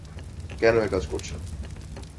কেন একাজ করছেন?